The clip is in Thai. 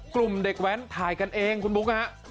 กลุ่มเด็กแว้นถ่ายกันเองคุณบุ๊คฮะ